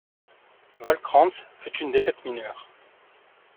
Val Krantz fut une défaite mineure.